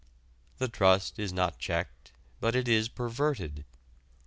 The trust is not checked, but it is perverted.